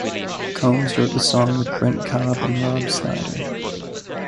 Combs wrote the song with Brent Cobb and Rob Snyder.